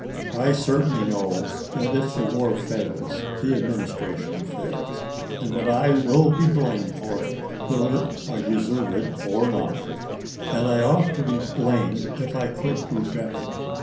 I certainly know that if the war fails, the Administration fails, and that I will be blamed for it, whether I deserve it or not. And I ought to be blamed if I could do better.